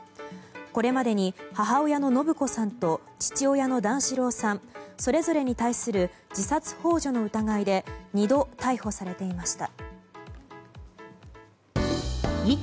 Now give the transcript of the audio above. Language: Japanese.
これまでに母親の延子さんと父親の段四郎さんそれぞれに対する自殺幇助の疑いで２度、逮捕されていました。